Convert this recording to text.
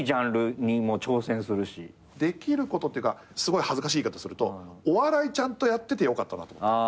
できることっていうかすごい恥ずかしい言い方するとお笑いちゃんとやっててよかったなと思って。